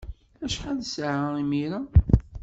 Acḥal ssaɛa imir-a?